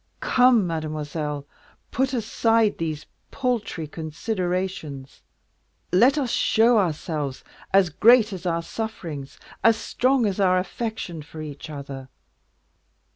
Come, mademoiselle, put aside these paltry considerations; let us show ourselves as great as our sufferings, as strong as our affection for each other."